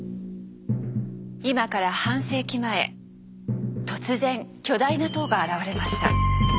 今から半世紀前突然巨大な塔が現れました。